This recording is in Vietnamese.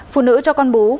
phụ nữ cho con bú